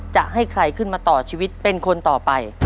จะให้ใครขึ้นมาต่อชีวิตเป็นคนต่อไป